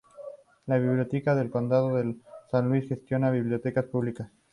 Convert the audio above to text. La Biblioteca del Condado de San Luis gestiona bibliotecas públicas.